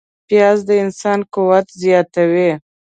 پیاز د انسان قوت زیاتوي